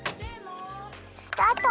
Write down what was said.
スタート！